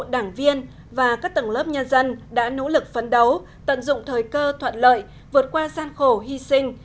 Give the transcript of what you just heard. đảng viên và các tầng lớp nhân dân đã nỗ lực phấn đấu tận dụng thời cơ thuận lợi vượt qua gian khổ hy sinh